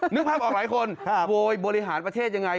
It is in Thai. นึกภาพออกหลายคนโวยบริหารประเทศยังไง